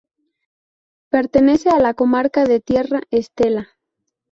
Pertenece a la comarca de Tierra Estella.